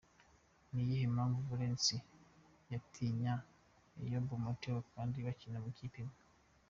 Ni iyihe mpamvu Valens yatinya Eyob Metkel kandi bakina mu ikipe imwe?.